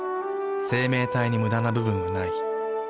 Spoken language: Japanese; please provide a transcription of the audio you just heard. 生命体にムダな部分はない。